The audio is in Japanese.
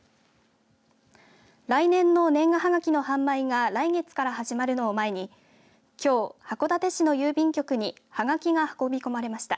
来年の年賀はがきの販売が来月から始まるのを前にきょう、函館市の郵便局にはがきが運び込まれました。